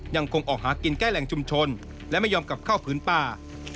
ยังคงออกหากินแก้แหล่งชุมชนและไม่ยอมกลับเข้าพื้นป่า